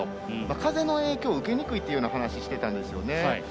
風の影響を受けにくいというような話をしてたんですよね。